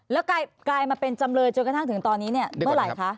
แล้วกลายมาเป็นจำเลยจนกระทั่งถึงตอนนี้เนี่ยเมื่อไหร่คะ